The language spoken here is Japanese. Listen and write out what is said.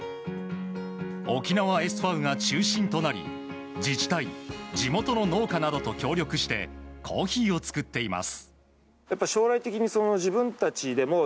沖縄ＳＶが中心となり自治体、地元の農家などと協力してコーヒーを作っています。